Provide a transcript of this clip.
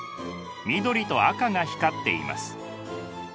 緑と赤が光っています。